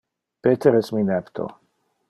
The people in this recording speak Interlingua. Peter es mi nepto.